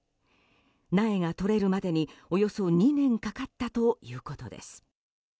苗がとれるまでにおよそ２年かかったということです。